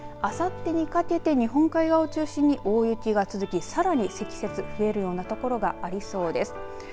あさってにかけて日本海側を中心に大雪が続きさらに積雪、増えるような所がありそうです。